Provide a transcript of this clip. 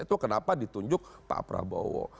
itu kenapa ditunjuk pak prabowo